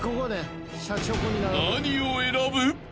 ［何を選ぶ？］